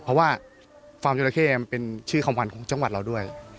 เพราะว่าฟาร์มจราเข้มันเป็นชื่อของขวัญของจังหวัดเราด้วย